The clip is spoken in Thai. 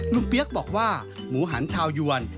เปี๊ยกบอกว่าหมูหันชาวยวน